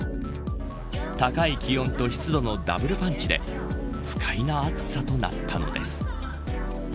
高い気温と湿度のダブルパンチで不快な暑さとなったのです。